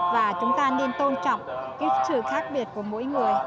và chúng ta nên tôn trọng cái sự khác biệt của mỗi người